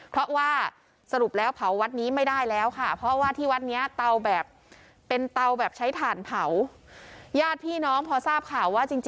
เพราะว่าสรุปแล้วเผาวัดนี้ไม่ได้แล้วค่ะเพราะว่าที่วัดนี้เป็นเตาแบบใช้ถ่านเผา